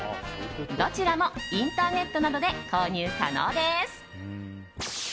どちらもインターネットなどで購入可能です。